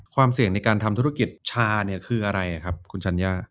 เสี่ยงในการทำธุรกิจชาเนี่ยคืออะไรครับคุณชัญญา